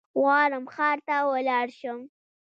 غواړم ښار ته ولاړشم